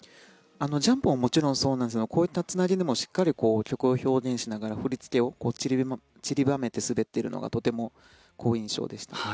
ジャンプももちろんそうなんですがこういったつなぎでも曲を表現しながら振りをちりばめながら滑っているのがとても好印象でした。